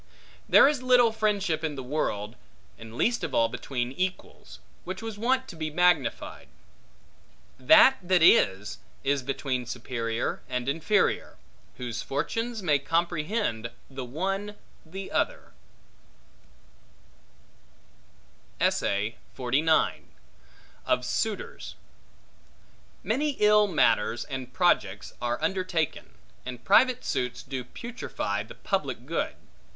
There is little friendship in the world, and least of all between equals, which was wont to be magnified. That that is, is between superior and inferior, whose fortunes may comprehend the one the other. Of Suitors MANY ill matters and projects are undertaken; and private suits do putrefy the public good.